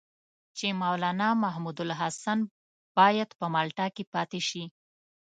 چې مولنا محمودالحسن باید په مالټا کې پاتې شي.